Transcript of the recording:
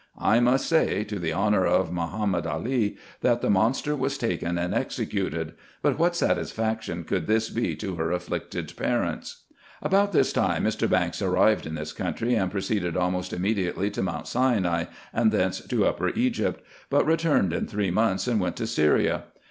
I must say, to the honour of Mahomed Ali, that the monster was taken and executed : but what satisfaction could this be to her afflicted parents ? About this time Mr. Eankes arrived in this country, and pro ceeded almost immediately to Mount Sinai, and thence to Upper Egypt ; but returned in three months, and went to Syria.